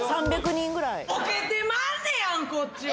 「ボケてまうねやんこっちは。